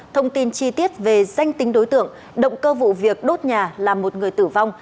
thông tin chi tiết về danh tính đối tượng động cơ vụ việc đốt nhà làm một người tử vong